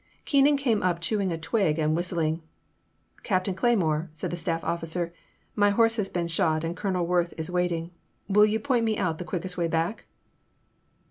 Keenan came up chewing a twig and whistling. ''Captain Cleymore,'* said the staff officer, " my horse has been shot and Colonel Worth is waiting. Will you point out to me the quickest way back